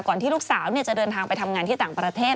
ที่ลูกสาวจะเดินทางไปทำงานที่ต่างประเทศ